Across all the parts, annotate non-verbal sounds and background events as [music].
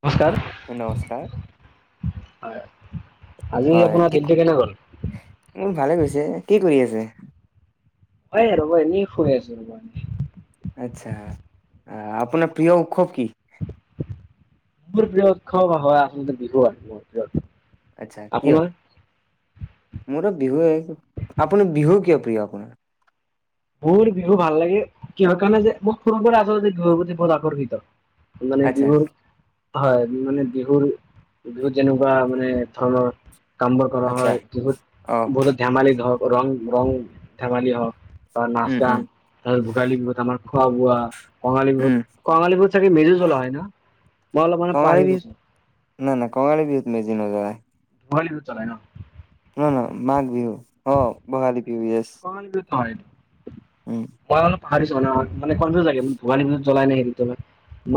নমস্কাৰ, নমস্কাৰ হয়। হয়। কি মোৰ ভালে হৈছে, কি কৰি আছে? এ, ৰ'ব এনেই শুই আছোঁ। আচ্ছা! আঁ আপোনাৰ প্ৰিয় উৎসৱ কি? মোৰ প্ৰিয় উৎসৱ হয় আচলতে, বিহু আৰু মোৰ প্ৰিয় উৎসৱ। আচ্ছা কিয়? মোৰতো বিহুৱে, আপুনি বিহু কিয় প্ৰিয় আপোনাৰ? মোৰ বিহু ভাল লাগে। কিহৰ কাৰণে যে, মোক সৰু পৰা আচলতে বিহু প্ৰতি বহুত আকৰ্ষিত। মানে, আচ্ছা বিহুৰ হয়। বিহুৰ মানে, বিহুত যেনেকুৱা মানে ধৰণৰ কামবোৰ কৰা আচ্ছা হয়। বিহুত অ বহুত ধেমালি ধৰক হওঁক, ৰং ৰং ধেমালি হওঁক, বা নাচ উম উম -গান, ধৰ ভোগালী বিহুত আমাৰ খোৱা বোৱা, কঙালী উম বিহুত, কঙালী বিহুত চাগে, মেজি জ্বলোৱা হয় ন'? মই অলপ মানে পাহৰি গৈছোঁ। নাই, নাই! কঙালী বিহুত মেজি নজ্বলাই। ভোগালী বিহুত জ্বলাই ন'? নহয় নহয়, মাঘ বিহুত, অ'! ভোগালী বিহু ইয়েচ। কঙালী বিহুত হয় উম! [unintelligible] ভোগালী বিহুত জ্বলাই নে হেৰিত জ্বলাই।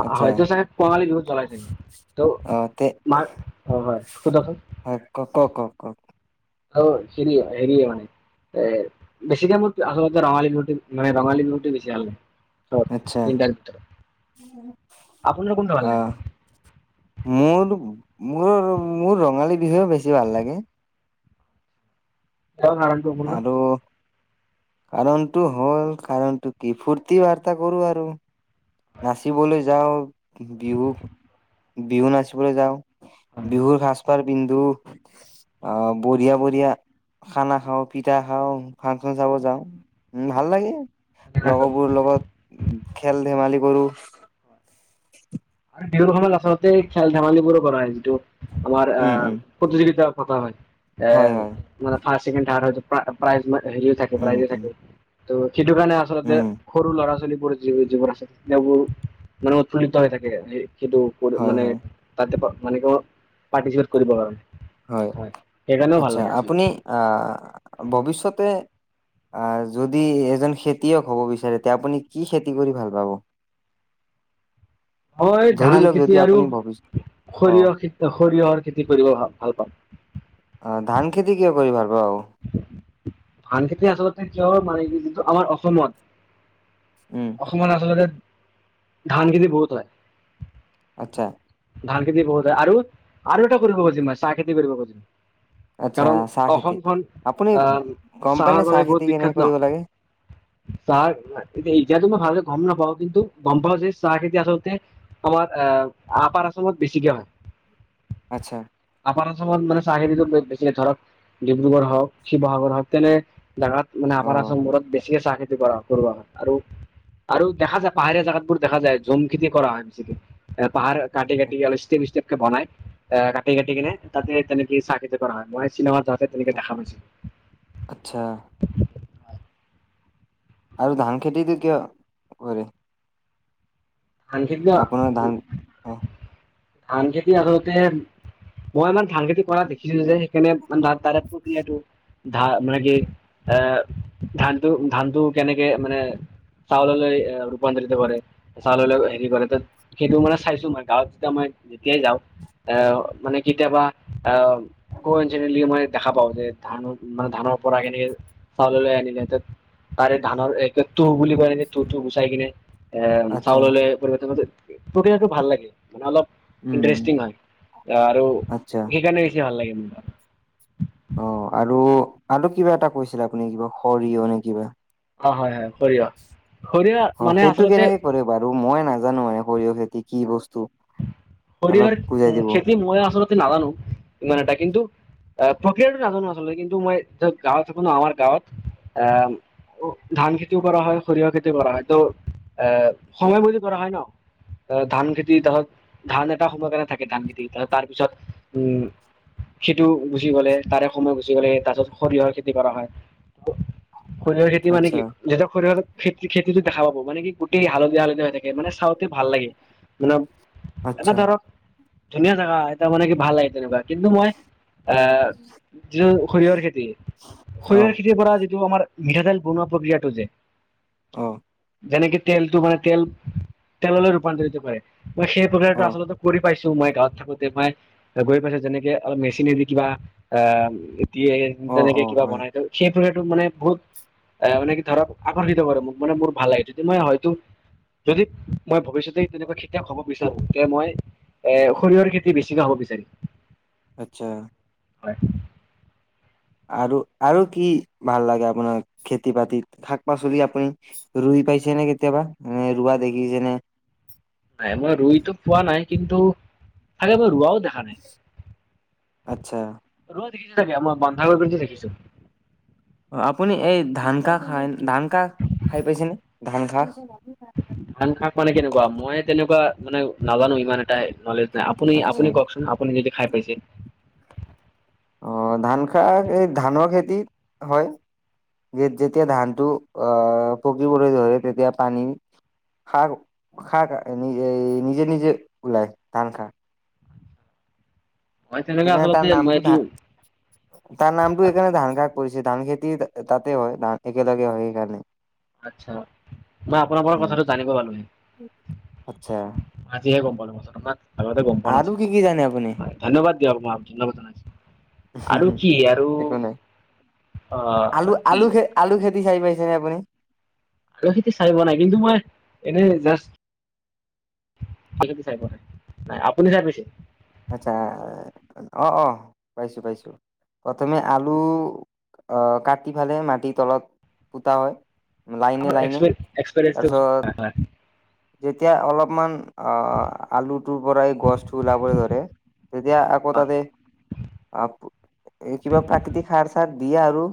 আচ্ছা হয়তো চাগে, কঙালী বিহুত জ্বলাই চাগে। ত' অ তে মাৰ, হয় হয়। সোধক চোন? কওঁক! অ'! হেৰি, হেৰি মানে, এ, বেছিকে মোৰ আৰু এটা ৰঙালী বিহুটো মানে, ৰঙালী বিহুটো বেছি ভাল লাগে। আচ্ছা তিনটাৰ ভিতৰত, আপোনাৰ কোনটো অ ভাল লাগে? মোৰ, মোৰ, মোৰ ৰঙালী বিহুৱে বেছি ভাল লাগে। তাৰ কাৰণটো আপোনাৰ? আৰু কাৰণটো হ'ল, কাৰণটো কি ফূৰ্তি -ফাৰ্তা কৰোঁ আৰু। নাচিবলৈ যাওঁ। বিহু, বিহু নাচিবলৈ যাওঁ। বিহুৰ সাজপাৰ পিন্ধো, আঁ বঢ়িয়া, বঢ়িয়া। খানা খাওঁ, পিঠা খাওঁ, ফাংচন চাব যাওঁ, উম! ভাল লাগে। হয়। লগৰবোৰৰ লগত খেল ধেমালি কৰোঁ। আৰু বিহুৰ সময়ত আচলতে, খেল ধেমালিবোৰো কৰা হয়। যিটো আমাৰ উম আঁ উম প্ৰতিযোগিতা পতা হয়। হয় আঁ হয় মানে, ফাৰ্ষ্ট, ছেকেণ্ড, থাৰ্ড হয়। প্ৰাইজ, হেৰিও থাকে, উম প্ৰাইজো উম থাকে। ত' সেইটো কাৰণে, ‌ আচলতে উম সৰু ল'ৰা, ছোৱালীবোৰ যি যিবোৰ আছে, তেওঁবোৰ মানে, উৎফুল্লিত হৈ থাকে। থাকে। সেইটো হয় মানে, হয় তাতে মানে, কি হ'ব পাৰ্টিচিপেট কৰিব। হয়। সেইকাৰণেও ভাল আচ্ছা! লাগে আচলতে আপুনি আহ ভৱিষ্যতে আঁ যদি এজন খেতিয়ক হ'ব বিচাৰে, তেতিয়া আপুনি কি খেতি কৰি ভাল পাব? মই ধৰি ধান লওক যদি খেতি আৰু আপুনি ভৱিষ্যত অ সৰিয়হ খে, সৰিয়হৰ খেতি কৰিব ভা, ভাল পাওঁ। অ ধান খেতি কিয় কৰি ভাল পাওঁ ধান খেতি আচলতে, কিয় মানে, কি যিটো আমাৰ উম অসমত অসমত আচলতে ধান খেতি বহুত হয়। আচ্ছা! ধান খেতি বহুত হয় আৰু এটা কৰিব খুজিম মই, চাহ খেতি কৰিব খুজিম। আচ্ছা কাৰণ, চাহ খেতি অসমখন আপুনি আঁ গম পায় নে চাহৰ চাহ বাবে খেতি বহুত বিখ্যাত কেনেকে কৰিব লাগে ন'। চাহ ইতি ইতিয়াটো মই ভাল গম নাপাওঁ। কিন্তু, গম পাওঁ যে, চাহ খেতি আচলতে আমাৰ আঁ আপাৰ অসমত বেছিকে হয়। [inaudible] আপাৰ অসমত মানে, চাহ বেছি ধৰক ডিব্ৰুগড় হওঁক, শিৱসাগৰ হওক তেনে জাগাত মানে অ আমাৰ আচল মূৰত বেছিকে চাহ খেতি কৰা কৰোৱা হয় আৰু। আৰু দেখা যায় পাহাৰীয়া জেগাত বোৰ দেখা যায় জম খেতি কৰা হয় বেছিকে পাহাৰ। কাটি- কাটি ইষ্টেপ - ইষ্টেপ। বনাই এ কাটি কাটি কিনে তাতে তেনেকে চাহ কৰা হয় মই চিনেমাত যাওঁতে তেনেকে দেখা পাইছিলো। আচ্ছা। আৰু ধান খেতিতো কিয় কৰে। ধান খেতি ন আপোনাৰ ধান অ ধান খেতি আচলতে মই ইমান ধান খেতি কৰা দেখিছিলো যে সেইকাৰণে। ন তাৰ পক্ৰিয়াটো। ধা মানে কি এ ধানটো ধানটো কেনেকে মানে। চাউললৈ ৰূপান্তৰিত কৰে। চাউল হেৰি কৰে ত সেইটো মানে চাইছো মই গাঁৱত যেতিয়া মই যেতিয়াই যাওঁ এ মানে কি কেতিয়াবা আহ ক মই দেখা পাওঁ যে ধান মানে ধানৰ পৰা কেনেকে। চাউলহে আনিলে তাৰে ধানৰ এক তুহ বুলি ক তুহ তু গুচাই কিনে এ। আচ্ছা চাউললে পৰিৱৰ্তন প্ৰক্ৰিয়াটো ভাল লাগে মানে অলপ। উম ইণ্টাৰেষ্টিং হয় আৰু আচ্ছা সেইকাৰণে বেছি ভাল লাগে মোৰ। অ আৰু আৰু কিবা এটা কৈছিলে আপুনি কিবা সৰিয়হ নে কিবা। অ হয় হয়। সৰিয়হ সৰিয়হ অ মানে সেইটো আচলতে কেনেকে কৰে বাৰু মই নাজানো মানে সৰিয়হ খেতি কি বস্তু। অলপ বুজাই সৰিয়হৰ দিব খেতি মই আচলতে নাজানো ইমান এটা কিন্তু। আহ প্ৰক্ৰিয়াতটো নাজানো আচলতে কিন্তু মই গাঁৱত থাকো ন আমাৰ গাঁৱত আহ। ধান খেতিও কৰা হয় সৰিয়হ খেতিও কৰা হয় ত' এ সময় বুজি কৰা হয় ন। ধান খেতি ধৰক ধান এটা সময় কাৰণে থাকে ধান খেতি তাৰপিছত উম। সেইটো গুচি গ'লে তাৰে সময় গুচি গ'লে তাৰ পিছত সৰিয়হৰ খেতি কৰা হয়। সৰিয়হ খেতি মানে আচ্ছা কি যেতিয়া সৰিয়হৰ। খেতি খেতিতো দেখা পাব মান কি গোটেই হালধীয়া হালধীয়া হৈ থাকে মানে চাওঁতে ভাল লাগে। এটা আচ্ছা। ধৰক ধুনীয়া জাগা এটা মানে কি ভাল লাগে তেনেকুৱা। কিন্তু মই এ যিটো সৰিয়হৰ খেতি। অ শৰিয়হৰ খেতিৰ পৰা যিটো আমাৰ মিঠাতেল বনোৱা প্ৰক্ৰিয়াটো যে। আহ। যেনেকে তেলটো মানে তেল তেললৈ ৰূপান্তৰিত কৰে মই সেই অ প্ৰক্ৰিয়াটো আচলতে কৰি পাইছো। মই গাঁৱত থাকোতে মই গৈ পাইছো যেনেকে অলপ মেচিনেদি কিবা অ। দিয়ে অ তেনেকে অ কিবা হয় বনাই সেই। মানে বহুত এ মানে কি ধৰক আকৰ্ষিত কৰে মোক মানে মোৰ ভাল লাগে যদি মই হয়তো। যদি মই ভৱিষ্যতেই তেনেকুৱা খেতিয়ক হ'ব, বিচাৰো তে মই এ সৰিয়হৰ খেতি বেছৈ হ'ব বিচাৰিম। আচ্ছা। হয়। আৰু আৰু কি ভাল লাগে আপোনাৰ খেতি বাতিত, শাক পাচলি আপুনি ৰুই। পাইছে নে কেতিয়াবা নে ৰোৱা দেখিছেনে? নাই মই ৰুইতো পোৱা নাই, কিন্তু চাকে মই ৰোৱাও। দেখা নাই আচ্ছা ৰোৱা, ছোকে মই বন্ধা কৰিছে দেখিছো। [unintelligible] অ আপুনি এই ধান কাহ খাই, ধান কাহ খাই পাইছেনে ধান কাহ। ধান শাক মানে কেনেকুৱা মই তেনেকুৱা মানে নাজানো ইমান এটা নলেজ। আপুনি আপুনি আচ্ছা কওকচোন আপুনি যদি খাই পাইছে। অ ধান খা এই ধানৰ খেতি, হয়। যে যেতিয়া ধানটো আহ পকিবলৈ ধৰে তেতিয়া পানী। খাক, খাক খ নি নিজে নিজে ওলাই ধান খাৰ। মই তেনেকে সখ তাৰ আচলতে মই নামটো, এইটো ধ তাৰ নামটো এখ আচ্ছা ধান কাক কৰিছে। ধান খেতি তাতে হয় ধান একেলগে হয় সেইকাৰণে। আচছা মই আপোনাৰ পৰা উম কথাটো জানিব পালোহে। আচ্ছা আজিহে গম পালো মচ আমাক আগতে গম পোৱা আৰু কি কি নাছিলো, জানে আপুনি? হয় ধন্যবাদ। দজ ন বাইছে। হম হম একো নাই, অ আলু আৰু কি আলু খে আলু খেতি চাইি পাইছে। আপুনি। আৰু খেতি চাই ব নাই কিন্তু মই, এনেই জাষ্ট। সেই চাই পোৱা নাই নাই আপুনি চাই পিছে। আচ্ছা অ অ পাইছো পাইছো। প্ৰথমে আলু, আহ কাটি ফালে মাটিৰ তলত পুতা হয়। লাইনে আপোনাৰ লাইনে, এক্সপে- এক্সপেৰিয়েঞ্চটো কওকচোন তাৰপিছত। যেতিয়া অলপমান আহ আলুটোৰ পৰাই গছটো ওলাবলৈ ধৰে। তেতিয়া আকৌ হয় তাতে, আহ কিবা প্ৰাকৃতিক সাৰ চাৰ। দিয়ে আৰু,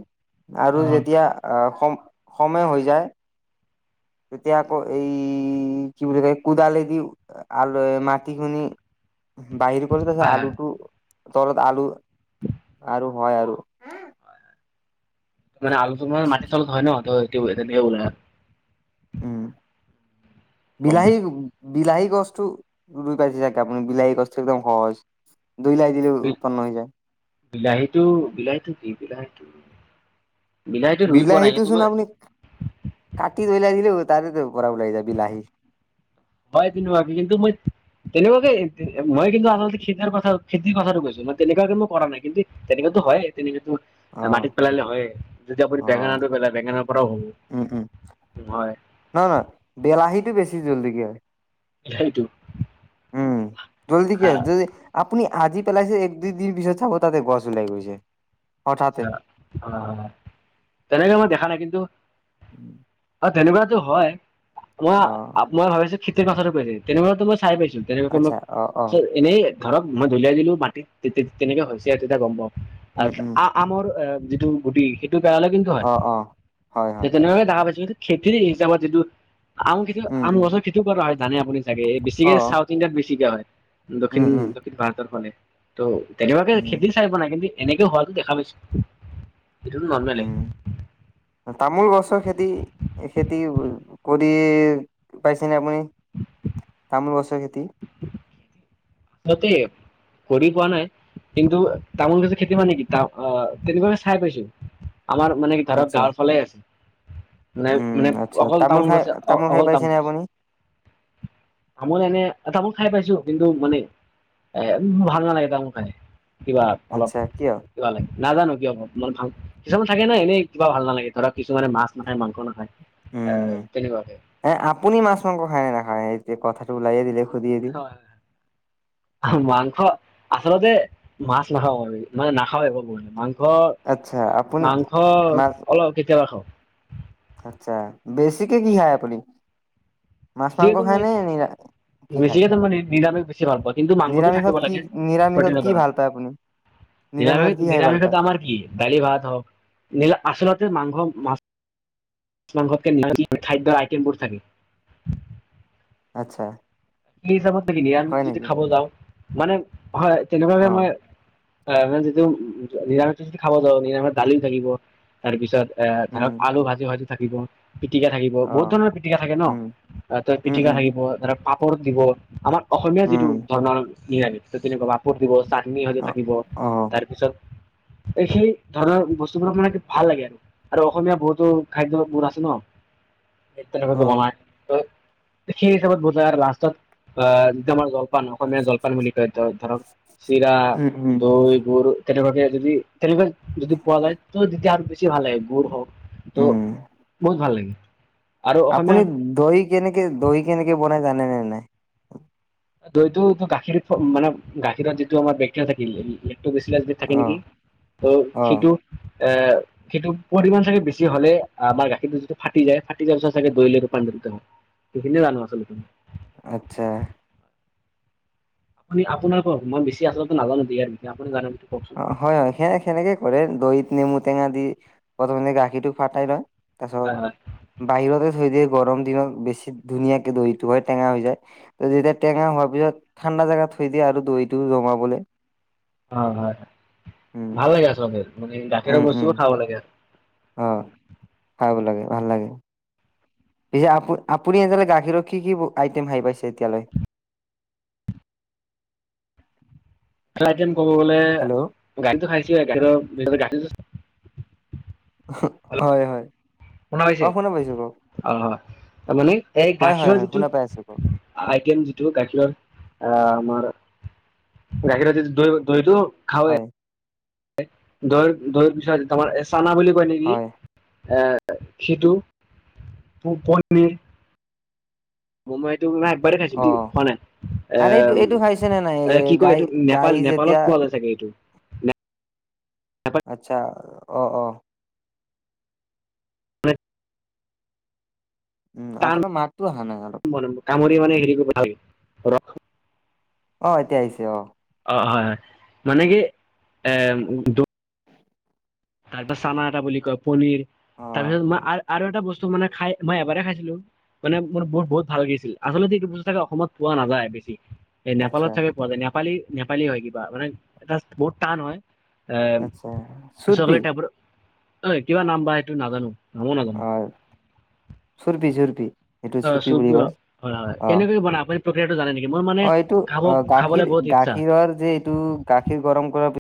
আৰু যেতিয়া আহ সম সময় হৈ যায়। তেতিয়া আকৌ এই কি বুলি ক কোদালে দি, আলহ মাটিখি। বাহিৰ কৰিলে ত হয় হয় আলুটো। তলত আলু, আৰু হয় আৰু। মান আলুটো মানে মাটিৰ চলত হয় ন ত বো আৰু। উম, গম বিলাহী। পাইছো বিলাহী গছতটো ৰুই পাইছে চাগে আপুনি বিলাহী গছটো একদম সহজ। দুই লাই দিলে উৎপন্ন হৈ যায়। বিলাহীটো বিলাহীটো কি বিলাহীটো। বিলাহীটো ৰুই পোৱা নাই কিন্তু বিলাহীটোচোন মই আপুনি, কাটি ধইলাই দিলে। তাৰে পৰাব লাগি যায় বিলাহী। হয় তেনেুৱাকে কিন্তু মই, তেনেকুৱাকে মই কিন্তু আচলতে খতিৰ কথা খেতিৰ কথাটো কৈছো। ম তেনেকুৱা কিন্ত, কৰা নাই কিন্তু তেনেককাতটোো হয় তেনেকেতো। অ মাটিত পেলালে হয়, যদি আপুনি অ বেঙেনাটো পেলাই বেঙেনাৰ পৰাও হ। উম উম হয়। নহয় বিলাহীটো বেছি জল্দি কি হয়। সেইটো। উম জল্দি কি আ আহ যদি। আপুনি আজি পেলাইছে এক দুইদিন পিছত চাব তাতে গছ ওলাই গৈছে। হঠাতে আছা অ, তেনেকে মই দেখা নাই কিন্তু। উম তেনেকুৱ টো হয়, মই অ মই ভাবিছো খেতিৰ কাছো কৈছ তেনেকুৱো মই চাই পাইছো। তেনেক ম, আচ্ছা অ অ এনেই ধৰক মই ধুলিয়াই দিলো মাটিত তেনেকে হৈছে, আৰু তেতিয়া গম পা। উম উম। যিটো গুটি সেইটো পেলালে কিন্তু হয়, অ অ হয় যে হয় তেনেকে দেখা পাইছ। খেতিৰ হিচাপত যিটো। আম খেতি উম আম উম গছৰ খেতিও কৰা হয় জানে আপুনি চাগে অ বেছিকে চাউথ ইণ্ডিয়াত বেছিকে হয়। দক্ষিণ উম উম দক্ষিণ ভাৰতৰ ফালে ত' তেনেকুৱাকে উম খেতি চাইব নাই কিন্তু এনেকে হল দেখা পাইছো। এইটো নৰ্মেলে উম উ উ, তামোল গছৰ খেতি খেতি কৰ খেতি পাইছে নে আপুনি তামোল গছৰ খেতি। আচলতে কৰি পোৱা নাই। কিন্তু তামোল গছৰ খেতি মানে কি তা আহ তেনেকুৱাকে চাই পাইছো। আমাৰ মানে কি ধৰক আচ্ছা গাঁৱৰ ফালে আছে। মানে উম মানে আচ্ছা অকল তামোল খাই গছে অ খাই অকল তামোল পাইছেনে গছে আপুনি আমাৰ এনে তামোল খাই পাইছো, কিন্তু মানে এ ভাল নালাগে তামোল খাই। কিবা অলপ আচ্ছা কিয় কিবা লাগে। নাজানো কিয় অ মান ভাল কিছুমান থাকে ন এনেই কিবা ভাল নালাগে ধৰা কিছুমানে মাছ নাখায় মাংস নাখায়। এ উম উ তেনেকুৱাকে উ, এ আপুনি মাছ মাংস খায় নে নেখায় এতিয়া কথাটো উলাইয়ে দিলে। সুধিয়ে দিম হয় হয় হয়, হা মাংস আচলতে মাছ নাখাও আমি মানে নাখাও বৰ মাংস মাংস আচ্ছা আপুনি মাংস মাছ অলপ কেতিয়াবা খাওঁ। আচ্ছা, বেছিকে কি খায় আপুনি মাছ-মাংস খায় নে নিৰা কি খায় বেছিকে তাৰ মানে নিৰামিষ বেছি ভাল পাওঁ, কিন্তু মাংসটো নিৰামিষত থাকিব কি লাগে নিৰামিষত প্ৰটিনৰ কি ভাল পায় আপুনি কাৰণে নিৰামিষত কি নিৰামিষ খাই ভাল পায় নিৰামিষটো আমাৰ কি দালি-ভাত হওক নিৰা আচলতে মাংস মাছ-মাংসতকে নিৰামিষতে খাদ্যৰ আইটেমবোৰ থাকে। আচ্ছা। কি হিচাপত নে কিনি নিৰামিষ হয় যদি নেকি খাব যাওঁ মানে হয় তেনেকুৱাকে অ মই হয়, মানে যিটো নিৰামিষ যদি খাব যাওঁ নিৰামষ দালি থাকিব তাৰপিছত এ ধৰক উম আলু ভাজি ভাজি থাকিব। পিটিকা থাকিব অ বহুত ধৰণৰ পিটিকা থাকে ন উম তই উম পিটিকা উম থাকিব ধৰা পাপৰ দিব আমাক অসমীয়া যিটো উম ধৰণৰ নিৰামিষ ত তেনেকুৱা পাপৰ দিব চাট নিম ভাজি অ থাকিব অ তাৰপিছত এইখিনি ধৰণৰ বস্তুবোৰক মানে কি ভাল লাগে আৰু আৰু অসমীয়া বহুতো খাদ্যবোৰ আছে ন [inaudible] এ তেনেকুৱাকে অ বনাই ত সেই হিচাপত বুজাই আৰু লাষ্টত আহ জমাৰ জল জলপান অসমীয়া জলপান বুলি কয় ধ ধৰক চিৰা, উম উম দৈ, গুৰ তেনেকুৱাকে যদি তেনেকুৱা যদি পোৱা যায় ত তেতিয়া আৰু বেছি ভাল লাগে গুৰ হওক তো উম বহুত ভাল লাগে। আৰু অসমীয়া আপুনি দহি কেনেকে দহি কেনেকে বনাই জানে নে নাই? দৈতটো ত গাখীৰ ফ মানে গাখীৰত যিটো আমাৰ বেক্টেৰিয়া থাকিল লে লেক এইটো বেশি লাষ্ট ডেট থাকে অ নেকি ত' অ সেইটো এ সেইটো পৰিমাণ চাগে বেছি হলে আমাৰ গাখীৰটো যিটো ফাটি যায় ফাটি যোৱাৰ পিছত চাগে দৈ লৈ ৰূপান্তৰি কীটাণু সেইখিনিয়ে জানো আচলতে ম আচ্ছা। আপুনি আপোনাৰ কওক মই বেচি আচলতে নাজানো দৈয়ৰ বিষয়ে আপুনি জানে নে? অ হয় হয়, সে সেনেকে কৰে দৈত নেমু টেঙা দি প্ৰথমতে গাখীৰটো ফাটাই লয় হয় হয় তাৰপিছত বাহিৰতে থৈ দিয়ে। গৰম দিনত বেছি ধুনীয়াকে দৈটো হয় টেঙা হৈ যায় যেতিয়া টেঙা হোৱাৰ পিছত ঠাণ্ডা জেগাত থৈ দিয়া আৰু দৈটো জমাবলে। অ হয় হয়, উম, ভাল লাগে আচলতে মানে গাখীৰৰ উম, উম, বস্তুবোৰ খাব লাগে আৰু অ, খাব লাগে ভাল লাগে। এয়া আপু আপুনি এনেহলে গাখীৰৰ কি কি আইটেম খাই পাইছে এতিয়ালৈ [inaudible] আইটেম ক'ব গলে হেল্ল' গাখীৰটো খাইছোৱে গাখীৰৰ গাখীৰ হেল্ল' হয় হয়। শুনা পাইছে? অ', পাইছো কওক অ। তাৰ মানে এই হয়, হয়, গাখীৰৰ হয়, যিটো শুনা পাই আছো কওক আইটেম যিটো গাখীৰৰ আহ আমাৰ গাখীৰীৰ য দৈ দৈটো, খাওঁৱে হয়। দৈৰ দৈৰ পিছত তোমাৰ এ চানা বুলি কয় নেকি হয়। এ। সেইটো পনিৰ। মইটো মে একবাৰেই খাইছো, অ', খোৱা নাই আৰে এইটো আহ। এইটো খাইছে নে নাই এ কি কয় গাই এইটো গাই নেপাল যেতিয়া নেপালত পোৱালে চাগে এইটো। আতচ্ছা অ অ। উম আপোনাৰ মাতটো অহা নাই অলপ। পৰিমাণে হেৰি কৰিব লাগে এইকেইদিন অ এতিয়া আহিছে অ। অঁ হয় হয়। মানে কি এ তাৰপা চানা এটা বুলি কয়, পনীৰ, অ', তাৰপিছত মই আৰ আৰু এটা বস্তু মানে খাই মই এবাৰে খাইছিলো, মানে মোৰ বহুত বহুত ভাল লাগিছিল। আচলতে এইটো বস্তু থাকে অসমত পোৱা নাযায় বেছি। এ আচ্ছা। নেপালত চাগে পোৱা যায়, নেপালী নেপালী হয় কিবা মানে এটা বহুত টান হয়। আচ্ছা চুৰপি চাইপ অঐ কিবা নাম বাই ত নাজাানো [unintelligible] অ চুৰলপি চৰলপি অ চুপ, হয় হয়। কেনেকৈ বনায় আপুনি? প্ৰক্ৰিয়াটো জানে নেকি মোৰ মানে অ এইটো খাব অ খাবলৈ গাখীৰ বহুত ইচ্ছা গাখীৰৰ যে এইটো গাখীৰ গৰম কৰাৰ,